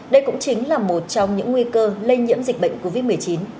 đây cũng chính là một trong những nguy cơ lây nhiễm dịch bệnh covid một mươi chín